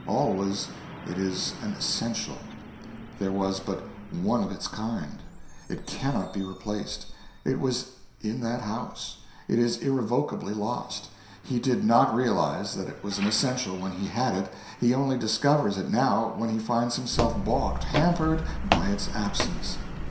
Always it is an essential there was but one of its kind. It cannot be replaced. It was in that house. It is irrevocably lost. He did not realize that it was an essential when he had it; he only discovers it now when he finds himself balked, hampered, by its absence.